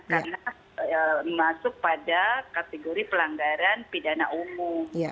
karena masuk pada kategori pelanggaran pidana umum